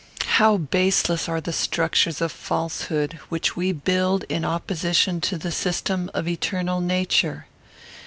How baseless are the structures of falsehood, which we build in opposition to the system of eternal nature!